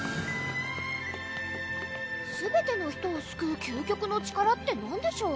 すべての人をすくう究極の力って何でしょう？